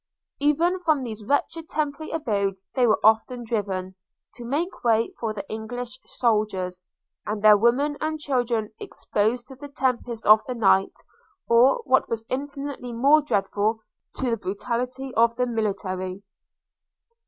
– Even from these wretched temporary abodes they were often driven, to make way for the English soldiers; and their women and children exposed to the tempest of the night, or, what was infinitely more dreadful, to the brutality of the military.